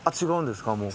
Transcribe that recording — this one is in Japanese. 違うんですか？